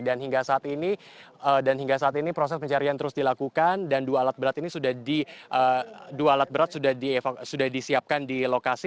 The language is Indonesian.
dan hingga saat ini proses pencarian terus dilakukan dan dua alat berat ini sudah disiapkan di lokasi